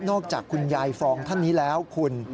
จากคุณยายฟองท่านนี้แล้วคุณ